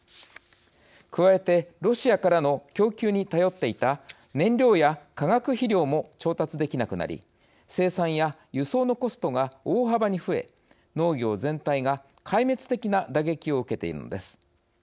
加えて、ロシアからの供給に頼っていた燃料や化学肥料も調達できなくなり生産や輸送のコストが大幅に増え農業全体が壊滅的な打撃を受けているのです。